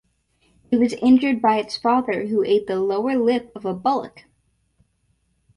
It was injured by its father, who ate the lower lip of a bullock.